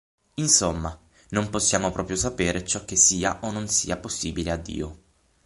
Insomma, non possiamo proprio sapere ciò che sia o non sia possibile a Dio.